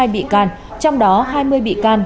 bị can trong đó hai mươi bị can